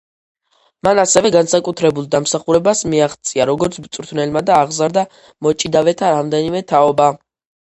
მან ასევე განსაკუთრებულ დამსახურებას მიაღწია როგორც მწვრთნელმა და აღზარდა მოჭიდავეთა რამდენიმე თაობა.